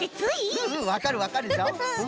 うんわかるわかるぞ。